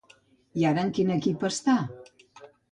I ara en quin equip està?